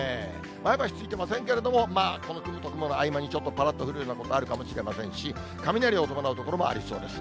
前橋ついてませんけれども、まあこの雲と雲の合間にちょっとぱらっと降るようなことあるかもしれませんし、雷を伴う所もありそうです。